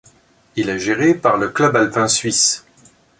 Il est géré par le Club alpin suisse.